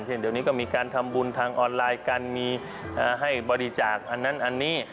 เช่นเดี๋ยวนี้ก็มีการทำบุญทางออนไลน์กันมีให้บริจาคอันนั้นอันนี้